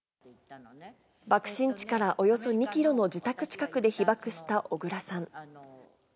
爆心地からおよそ２キロの自宅近くで被爆した小倉さん。